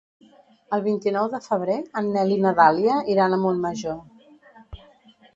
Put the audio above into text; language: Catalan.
El vint-i-nou de febrer en Nel i na Dàlia iran a Montmajor.